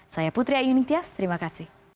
saya putri ayun intias terima kasih